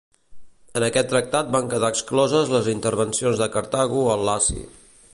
En aquest tractat van quedar excloses les intervencions de Cartago al Laci.